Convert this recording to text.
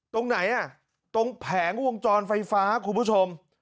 ตรงไหนอ่ะตรงแผงวงจรไฟฟ้าคุณผู้ชม